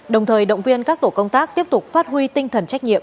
đồng thời động viên các tổ công tác tiếp tục phát huy tinh thần trách nhiệm